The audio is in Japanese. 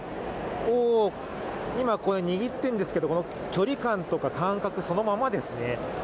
今、これ握っているんですけど距離感とか感覚、そのままですね。